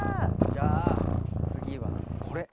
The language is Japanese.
じゃあ次はこれ。